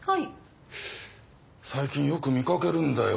最近よく見かけるんだよ